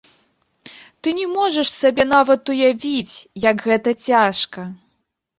Ты не можаш сабе нават уявіць, як гэта цяжка!